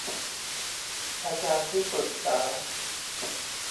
อาจารย์ที่ปรึกษา